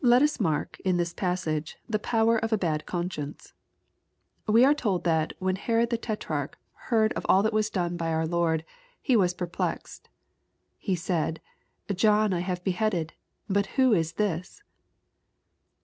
Let us mark^ in this passage, tTie power of a had con^ science. We are told that "when Herod the tetrarch heard 296 XXPOSITOBT THOUGHTS. f f all that was done by our Lord^ he was perplexed/* He said, '^ John have I beheaded, but who is this